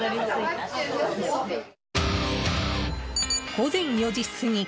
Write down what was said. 午前４時過ぎ